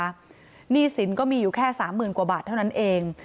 หนี้สินก็มีอยู่แค่๓๐๐๐กว่าบาทเท่านั้นเอง